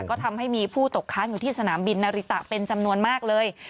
ก็ทำให้มีผู้ตกค้างอยู่ที่สนามบินนาริตะเป็นจำนวนมากเลย